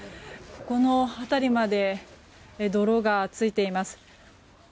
この辺りまで泥がついています。